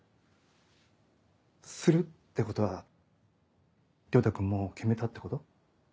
「する」ってことは良太君もう決めたってこと？